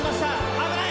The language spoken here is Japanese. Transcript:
危ない！